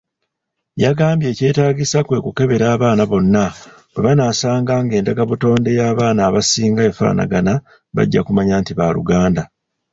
Yagambye ekyetaagisa kwekukebera abaana bonna bwebanaasanga ng'endagabutonde y'abaana abasinga efaanagana bajja kumanya nti baaluganda.